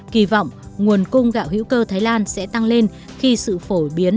kỳ vọng nguồn cung gạo hữu cơ thái lan sẽ tăng lên khi sự phổ biến